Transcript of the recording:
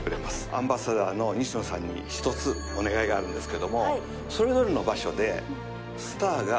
アンバサダーの西野さんに１つお願いがあるんですけどもそれぞれの場所で。